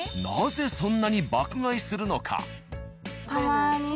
なぜそんなに爆買いするのか。